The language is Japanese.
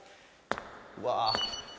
うわ。